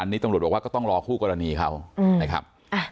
อันนี้ตำรวจบอกว่าก็ต้องรอคู่กรณีเขานะครับ